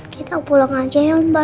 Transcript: kita pulang aja ya mbak